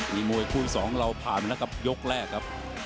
มุยคู่สองเราผ่านแล้วกับยกแรกครับ